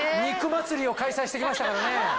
肉祭りを開催して来ましたからね。